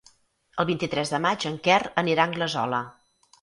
El vint-i-tres de maig en Quer anirà a Anglesola.